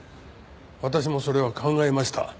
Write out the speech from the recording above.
私もそれは考えました。